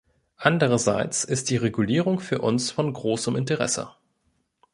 Andererseits ist die Regulierung für uns von großem Interesse.